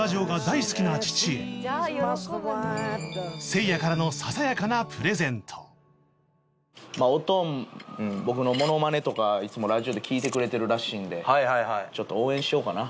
せいやからのおとん僕のモノマネとかいつもラジオで聞いてくれてるらしいんでちょっと応援しようかな。